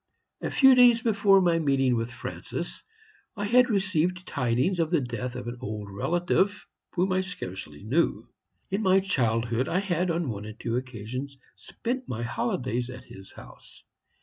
"A few days before my meeting with Francis, I had received tidings of the death of an old relative, whom I scarcely knew. In my childhood I had, on one or two occasions, spent my holidays at his house.